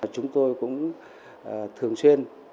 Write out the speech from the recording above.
chúng tôi cũng thường xuyên